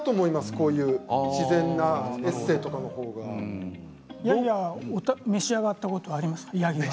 こういう自然なエッセーとかの召し上がったことありますか。